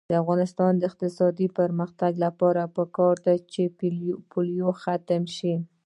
د افغانستان د اقتصادي پرمختګ لپاره پکار ده چې پولیو ختمه شي.